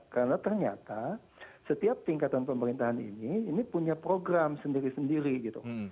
karena ternyata setiap tingkatan pemerintahan ini ini punya program sendiri sendiri gitu